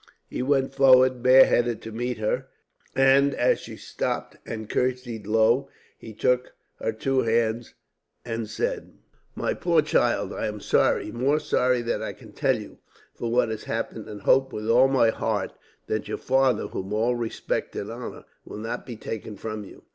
"He went forward bare headed to meet her and, as she stopped and curtsied low, he took her two hands and said: "'My poor child, I am sorry, more sorry than I can tell you, for what has happened; and hope with all my heart that your father, whom all respect and honour, will not be taken from you.